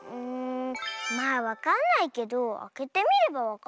まあわかんないけどあけてみればわかるかなあ。